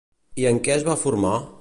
I en què es va formar?